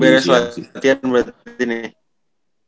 baru beres latihan berarti nih